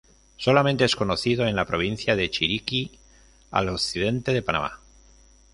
Solamente es conocido en la provincia de Chiriquí al occidente de Panamá.